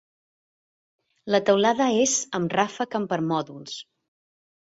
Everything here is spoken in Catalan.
La teulada és amb ràfec amb permòdols.